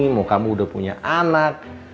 mau kamu udah punya anak